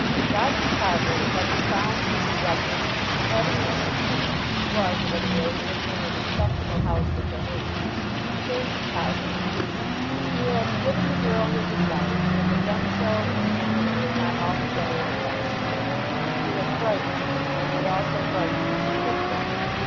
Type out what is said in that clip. Roger Carbury having found Ruby Ruggles, and having ascertained that she was at any rate living in a respectable house with her aunt, returned to Carbury. He had given the girl his advice, and had done so in a manner that was not altogether ineffectual. He had frightened her, and had also frightened Mrs. Pipkin.